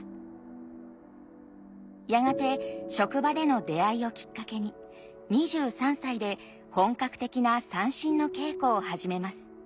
やがて職場での出会いをきっかけに２３歳で本格的な三線の稽古を始めます。